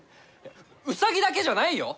ウサギだけじゃないよ！